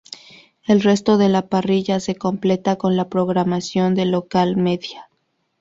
El resto de la parrilla se completa con la programación de Local Media.